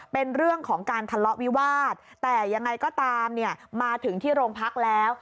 เป็นเรื่องของการทะเลาะวิวาสแต่ยังไงก็ตามเนี่ยมาถึงที่โรงพักแล้ว